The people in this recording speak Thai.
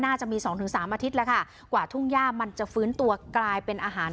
น่าจะมีสองถึงสามอาทิตย์แล้วค่ะกว่าทุ่งย่ามันจะฟื้นตัวกลายเป็นอาหาร